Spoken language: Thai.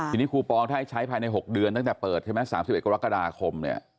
ทีนี้คูปองถ้าให้ใช้ภายใน๖เดือนตั้งแต่เปิดใช่ไหม๓๑กรกฎาคมเนี่ย